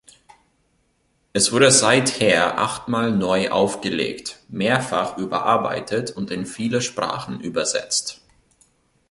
Es wurde seither achtmal neu aufgelegt, mehrfach überarbeitet und in viele Sprachen übersetzt.